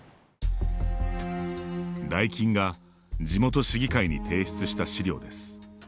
ダイキンが地元市議会に提出した資料です。